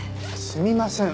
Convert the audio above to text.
すみません。